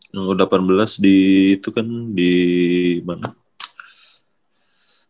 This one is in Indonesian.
barang u delapan belas di itu kan di mana